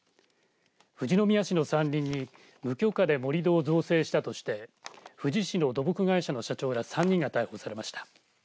富士宮市の山林に無許可で盛り土を造成したとして富士市の土木会社の社長ら３人が逮捕されました。